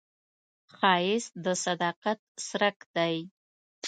ښایست د صداقت څرک دی